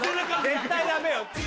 絶対ダメよ。